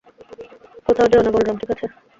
কোথাও যেও না, বলরাম, ঠিক আছে?